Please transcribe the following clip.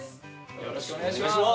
よろしくお願いします！